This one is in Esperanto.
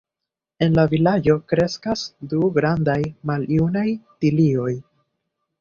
En la vilaĝo kreskas du grandaj maljunaj tilioj.